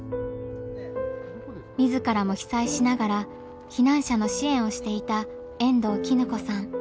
自らも被災しながら避難者の支援をしていた遠藤絹子さん。